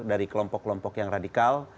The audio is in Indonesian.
dari kelompok kelompok yang radikal